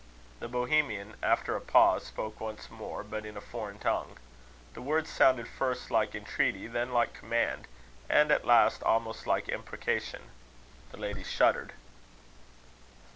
The Bohemian, after a pause, spoke once more, but in a foreign tongue. The words sounded first like entreaty, then like command, and at last, almost like imprecation. The ladies shuddered.